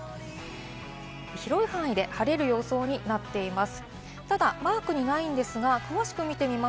広い範囲で晴れる予想になっています。